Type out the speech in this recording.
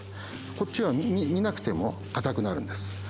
こっちは見なくても硬くなるんです。